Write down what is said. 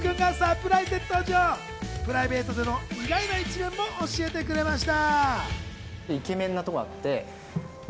プライベートでの意外な一面も教えてくれました。